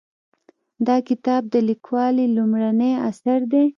دا کتاب د لیکوالې لومړنی اثر دی